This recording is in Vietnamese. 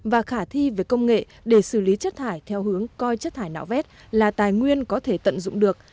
và khả thi về công nghệ để xử lý chất thải theo hướng coi chất thải nạo vét là tài nguyên có thể tận dụng được